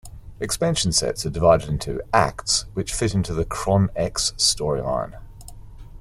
Expansion sets are divided into "acts", which fit into the Chron X storyline.